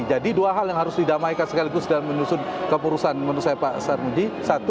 jadi dua hal yang harus didamaikan sekaligus dalam menyusun kemurusan menurut saya pak sarmudji